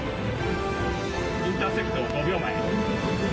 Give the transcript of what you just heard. インターセプト５秒前。